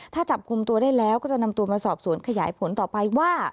ถ้าจับกลุ่มตัวได้แล้วก็จะนำตัวมาสอบสวนขยายผลต่อไปว่า